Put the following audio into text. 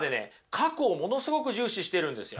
過去をものすごく重視してるんですよ。